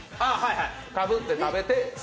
カブって食べて。